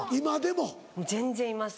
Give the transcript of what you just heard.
もう全然います。